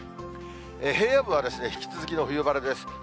平野部は引き続きの冬晴れです。